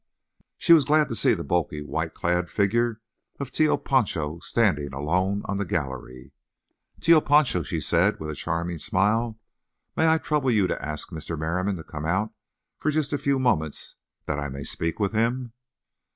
She was glad to see the bulky, white clad figure of Tio Pancho standing alone on the gallery. "Tio Pancho," she said, with a charming smile, "may I trouble you to ask Mr. Merriam to come out for just a few moments that I may speak with him?"